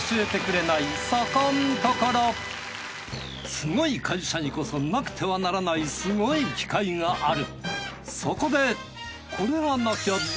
すごい会社にこそなくてはならないすごい機械がある。